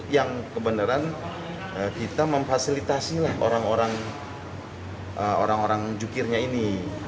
yang kebenaran kita memfasilitasi lah orang orang jukirnya ini